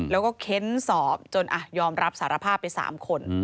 แล้วก็เค้นสอบจนยอมรับสารภาพไป๓คน